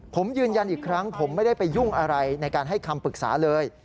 ผมยืนยันอีกครั้งผมไม่ได้ไปยุ่งอะไรในการให้คำปรึกษาเลย